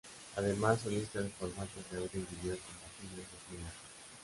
Además su lista de formatos de audio y vídeo compatibles es muy larga.